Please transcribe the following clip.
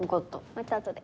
また後で。